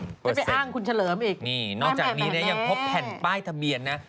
ได้ไปอ้างคุณเฉลิมอีกแม่แม่แม่นี่นอกจากนี้เนี่ยยังพบแผ่นป้ายทะเมียนนะ